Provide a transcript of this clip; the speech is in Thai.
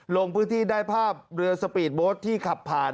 ลงพื้นที่ได้ภาพเรือสปีดโบ๊ทที่ขับผ่าน